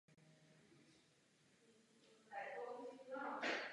Ke zbývajícím je přístup zakázaný.